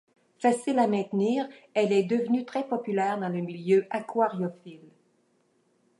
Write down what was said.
Facile à maintenir, elle est devenue très populaire dans le milieu aquariophile.